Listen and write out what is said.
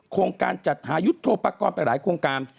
โครงการจัดหายุทธโทปกรณ์ไปหลายโครงการ